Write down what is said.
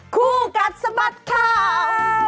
คู่กัดสะบัดข่าว